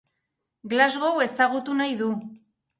Glasgow ezagutu nahi du.